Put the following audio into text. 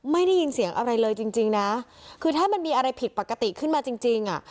ไม่ได้ยินเสียงอะไรเลยจริงจริงนะคือถ้ามันมีอะไรผิดปกติขึ้นมาจริงจริงอ่ะ